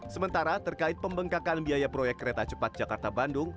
sementara terkait pembengkakan biaya proyek kereta cepat jakarta bandung